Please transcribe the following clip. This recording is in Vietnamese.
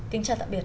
kính chào tạm biệt